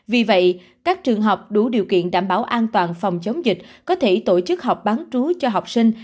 vì vậy các trường học đủ điều kiện đảm bảo an toàn phòng chống dịch có thể tổ chức học bán trú cho học sinh